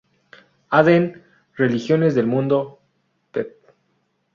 Hadden, Religiones del mundo, pp.